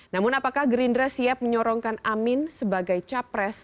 namun apakah gerindra siap menyorongkan amin sebagai capres